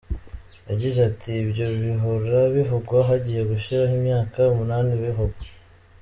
Yagize ati “Ibyo bihora bivugwa, hagiye gushira imyaka umunani bivugwa.